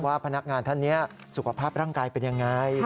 พนักงานท่านนี้สุขภาพร่างกายเป็นยังไง